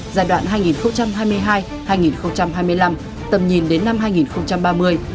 giai đoạn hai nghìn hai mươi hai hai nghìn hai mươi năm tầm nhìn đến năm hai nghìn ba mươi